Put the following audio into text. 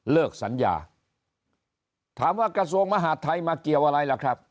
สัญญาถามว่ากระทรวงมหาดไทยมาเกี่ยวอะไรล่ะครับ